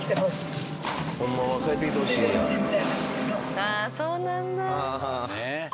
ああそうなんだ。